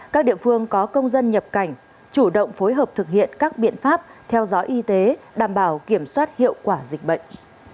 các địa phương có công dân nhập cảnh chủ động phối hợp thực hiện các biện pháp theo dõi y tế đảm bảo kiểm soát hiệu quả dịch bệnh